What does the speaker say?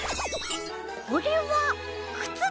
これはくつだね！